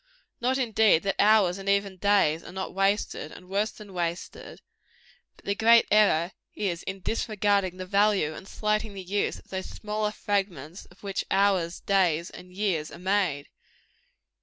Not, indeed, that hours and even days are not wasted, and worse than wasted; but the great error is, in disregarding the value and slighting the use of those smaller fragments of which hours, days and years are made.